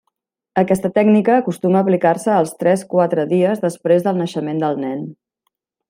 Aquesta tècnica acostuma a aplicar-se als tres, quatre dies després del naixement del nen.